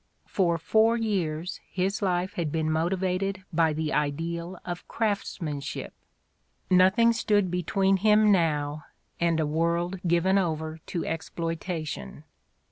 For four years his life had been motivated by the ideal of craftsmanship : noth ing stood between him now and a world given over to exploitation.